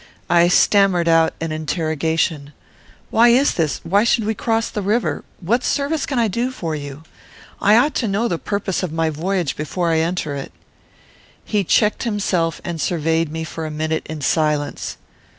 I stammered out an interrogation: "Why is this? Why should we cross the river? What service can I do for you? I ought to know the purpose of my voyage before I enter it." He checked himself and surveyed me for a minute in silence.